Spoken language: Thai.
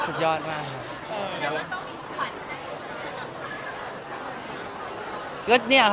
สุดยอดมากครับ